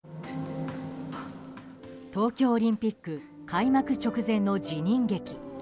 東京オリンピック開幕直前の辞任劇。